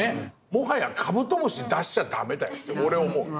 もはやカブトムシ出しちゃ駄目だよって俺思う。